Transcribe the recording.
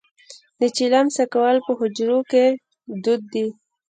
د چلم څکول په حجرو کې دود دی.